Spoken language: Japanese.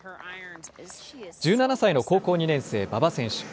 １７歳の高校２年生、馬場選手。